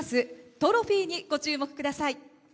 トロフィーに、ご注目ください。